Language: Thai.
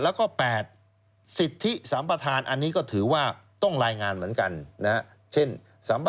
แล้วก็๘สิทธิสัมประธานอันนี้ก็ถือว่าต้องรายงานเหมือนกันนะเช่น